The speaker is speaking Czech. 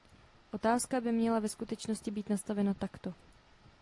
Otázka by měla ve skutečnosti být nastavena takto.